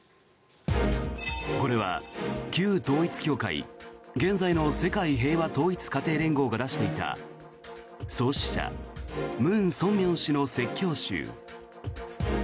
これは旧統一教会現在の世界平和統一家庭連合が出していた創始者、ムン・ソンミョン氏の説教集。